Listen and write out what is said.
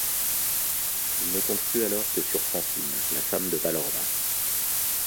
Il ne compte plus alors que sur Francine, la femme de Vallorba.